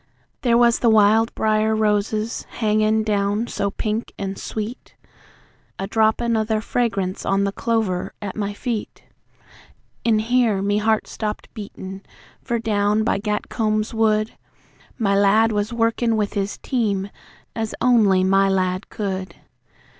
There was the wild briar roses hangin' down so pink an' sweet, A droppin' o' their fragrance on the clover at my feet An' here me heart stopped beatin', for down by Gatcombe's Wood My lad was workin' with his team, as only my lad could!